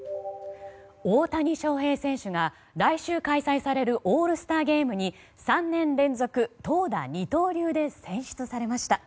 大谷翔平選手が来週開催されるオールスターゲームに３年連続、投打二刀流で選出されました。